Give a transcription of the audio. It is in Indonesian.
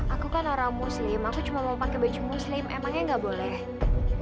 aku kan orang muslim aku cuma mau pakai baju muslim emangnya nggak boleh